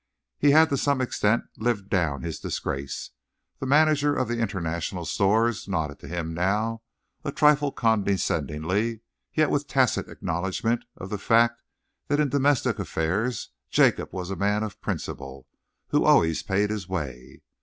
He had to some extent lived down his disgrace. The manager of the International Stores nodded to him now, a trifle condescendingly, yet with tacit acknowledgement of the fact that in domestic affairs Jacob was a man of principle who always paid his way.